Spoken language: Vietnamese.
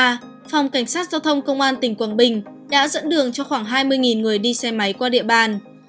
phòng cảnh sát giao thông công an tỉnh quảng bình đã dẫn đường cho khoảng hai mươi người đi xe máy qua địa bàn